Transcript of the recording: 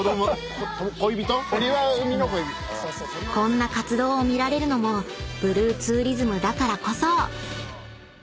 ［こんな活動を見られるのもブルーツーリズムだからこそ］